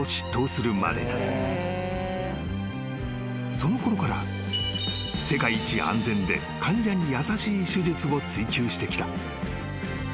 ［そのころから世界一安全で患者に優しい手術を追求してきた］